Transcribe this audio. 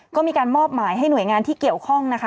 ก็มีการมอบหมายให้หน่วยงานที่เกี่ยวข้องนะคะ